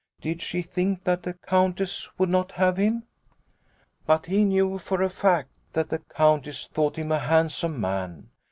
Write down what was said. Did she think that the Countess would not have him ? But he knew for a fact that the Countess thought him a handsome man.